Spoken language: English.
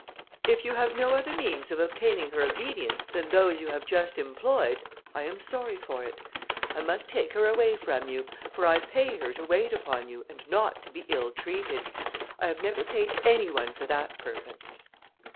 "If you have no other means of obtaining her obedience than those you have just employed, I am sorry for it; I must take her away from you, for I pay her to wait upon you, and not to be ill treated; I have never paid any one for that purpose."